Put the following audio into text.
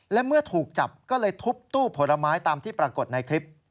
และเมื่อถูกจับก็เลยทุบตู้ผลไม้ตามที่ปรากฏในคลิป